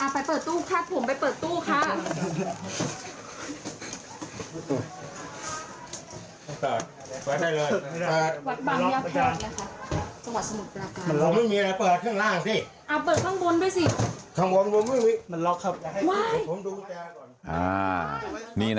ไปเปิดตู้ครับผมไปเปิดตู้ค่ะ